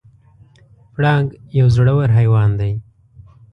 پړانګ یو زړور حیوان دی.